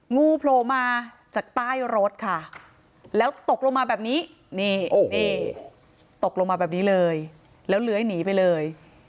งูโผล่มาจากใต้รถค่ะแล้วตกลงมาแบบนี้นี่ตกลงมาแบบนี้เลยแล้วเลื้อยหนีไปเลย